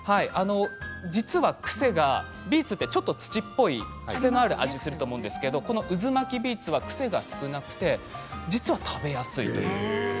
実はビーツはちょっと土っぽい癖のある味がすると思うんですがこの渦巻きビーツは癖が少なくて食べやすいんです。